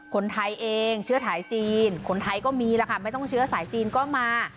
คนไทยเองเชื้อสายจีนคนไทยก็มีแล้วค่ะไม่ต้องเชื้อสายจีนก็มา